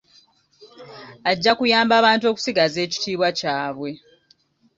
Ajja kuyamba abantu okusigaza ekitiibwa kyabwe.